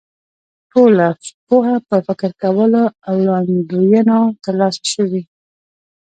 ټوله پوهه په فکر کولو او وړاندوینو تر لاسه شوې.